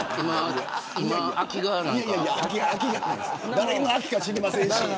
誰の空きか知りませんし。